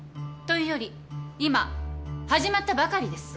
というより今始まったばかりです。